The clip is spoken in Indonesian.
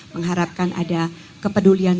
mengharapkan ada kepedulian